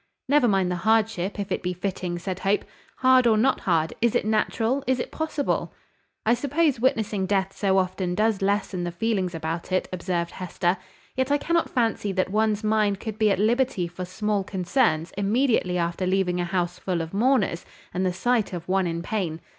"Never mind the hardship, if it be fitting," said Hope. "Hard or not hard, is it natural, is it possible?" "I suppose witnessing death so often does lessen the feelings about it," observed Hester. "Yet I cannot fancy that one's mind could be at liberty for small concerns immediately after leaving a house full of mourners, and the sight of one in pain.